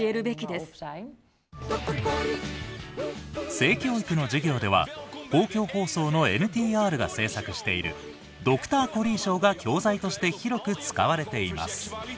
性教育の授業では公共放送のＮＴＲが制作している「ドクターコリーショー」が教材として広く使われています。